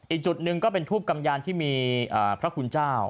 อีกจุดหนึ่งก็เป็นทูปกำยานที่มีพระคุณเจ้า